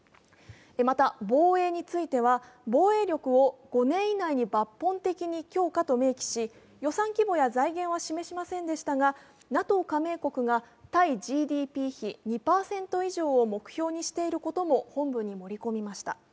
また防衛については防衛力を５年以内に抜本的に強化と明記し、予算規模や財源は示しませんでしたが、ＮＡＴＯ加盟国が対ＧＤＰ比２％以上を目標としていることが本文に記載されました。